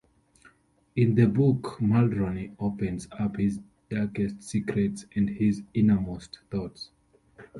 In the book, Mulroney opens up his darkest secrets and his innermost thoughts.